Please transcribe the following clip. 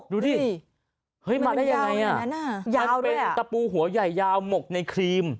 ดูดิเฮ้ยมาได้ยังไงมันเป็นตะปูหัวใหญ่ยาวหมกในครีม